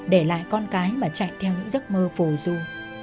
để lại con cái mà chạy theo những giấc mơ phù du